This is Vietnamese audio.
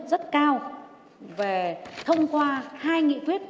thống nhất rất cao là thông qua hai nghị quyết